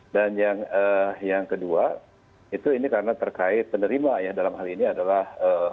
dan yang kedua itu ini karena terkait penerima yang dalam hal ini adalah